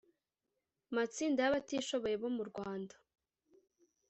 matsinda y abatishoboye bo mu rwanda